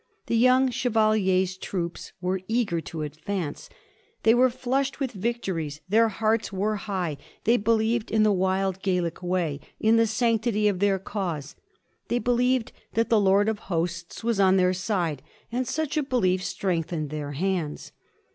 The young chevalier's troops were eager to advance ; they were flushed with victories ; their hearts were high ; they believed, in the wild Gaelic way, in the sanctity of their cause ; they believed that the Lord of Hosts was on their side, and such a belief strengthen ed their hands.